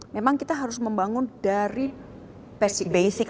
memang kita harus membangun dari basic